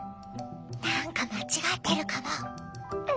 何か間違ってるかも。